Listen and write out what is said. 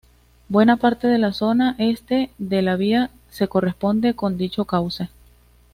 Buena parte de la zona este de la vía se corresponde con dicho cauce.